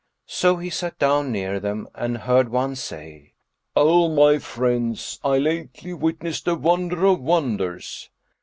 So he sat down near them and heard one say, "O my friends, I lately witnessed a wonder of wonders."